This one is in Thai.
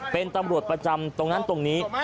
เป็นตำรวจประจำตรงนั้นตรงนี้